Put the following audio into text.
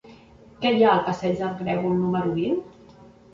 Què hi ha al passeig del Grèvol número vint?